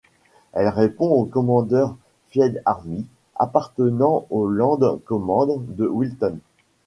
Elle répond au Commander Field Army, appartenant au Land Command de Wilton.